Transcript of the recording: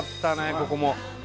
ここも。